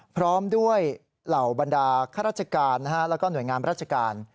พร้อมด้วยเหล่าบรรดาข้าราชการแล้วก็หน่วยงานราชการ